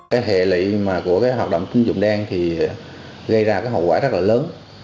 cái hệ lụy mà của cái hoạt động tín dụng đen thì gây ra cái hậu quả rất là lớn